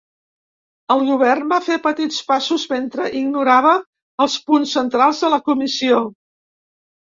El govern va fer petits passos mentre ignorava els punts centrals de la comissió.